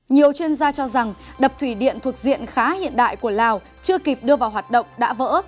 nhiều chuyên gia cho rằng đập thủy điện thuộc diện khá hiện đại của lào chưa kịp đưa vào hoạt động đã vỡ